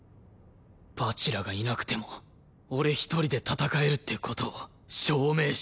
蜂楽がいなくても俺一人で戦えるって事を証明してやる。